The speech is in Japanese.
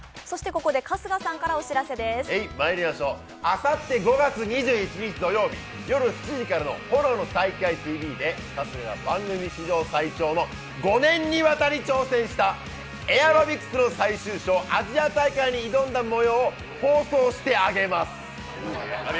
あさって５月２１日土曜日夜７時からの「炎の体育会ＴＶ」が春日が番組史上最強の５年にわたり挑戦したエアロビクスの最終章、アジア大会に挑んだ模様を放送してあげます。